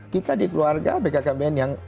kita di keluarga bkkbn yang